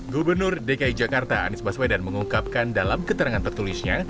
gubernur dki jakarta anies baswedan mengungkapkan dalam keterangan tertulisnya